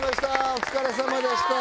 お疲れさまでした。